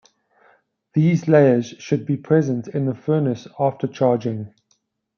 These layers should be present in the furnace after charging.